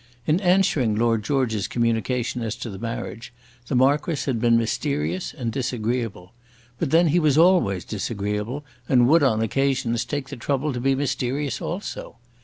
In answering Lord George's communication as to the marriage, the Marquis had been mysterious and disagreeable; but then he was always disagreeable and would on occasions take the trouble to be mysterious also.